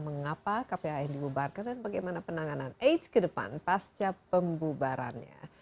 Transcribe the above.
mengapa kpan dibubarkan dan bagaimana penanganan aids ke depan pasca pembubarannya